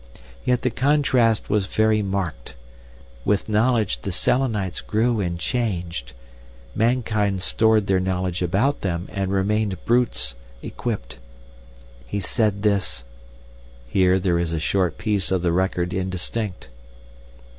Yet the contrast was very marked. With knowledge the Selenites grew and changed; mankind stored their knowledge about them and remained brutes—equipped. He said this..." [Here there is a short piece of the record indistinct.